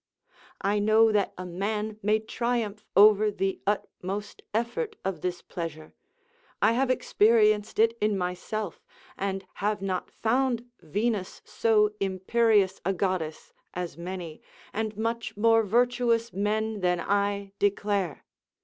I know that a man may triumph over the utmost effort of this pleasure: I have experienced it in myself, and have not found Venus so imperious a goddess, as many, and much more virtuous men than I, declare.